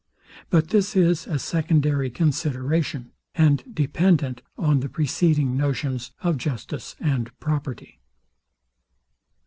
But this is a secondary consideration, and dependent on the preceding notions of justice and property.